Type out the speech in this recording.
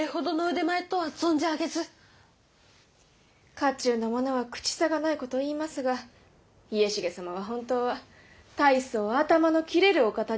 家中の者は口さがないことを言いますが家重様は本当は大層頭の切れるお方におわします。